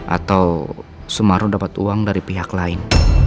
atau sumarno dapat uang dari pihak lain